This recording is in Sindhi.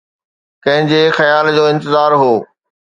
ڪنهن جي خيال جو انتظار هو؟